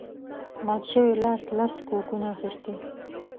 مات شوي لاس لس کوکونه اخیستي